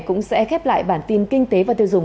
cũng sẽ khép lại bản tin kinh tế và tiêu dùng